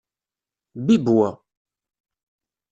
Bibb wa.